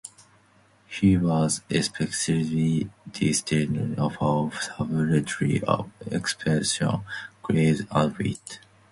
He was especially distinguished for subtlety of expression, grace and wit.